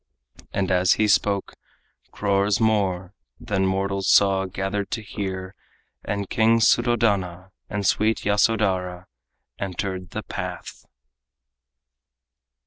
And as he spoke, crores more than mortals saw Gathered to hear, and King Suddhodana And sweet Yasodhara entered the path.